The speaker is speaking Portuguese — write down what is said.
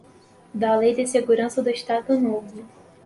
da Lei de Segurança do Estado Novo